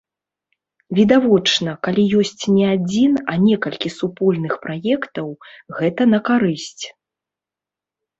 Відавочна, калі ёсць не адзін, а некалькі супольных праектаў, гэта на карысць.